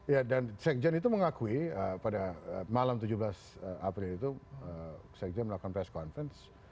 ya dan sekjen itu mengakui pada malam tujuh belas april itu sekjen melakukan press conference